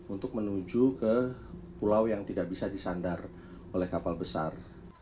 untuk menuju ke pulau yang tidak bisa disandar oleh kapal besar